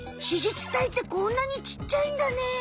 子実体ってこんなにちっちゃいんだね。